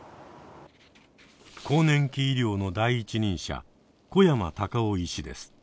更年期医療の第一人者小山嵩夫医師です。